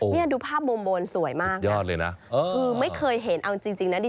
นี่ดูภาพบนสวยมากนะคือไม่เคยเห็นเอาจริงนะดิ